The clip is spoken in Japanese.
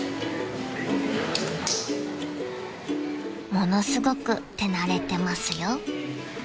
［ものすごく手慣れてますよ］